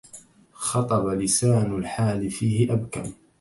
خطب لسان الحال فيه أبكم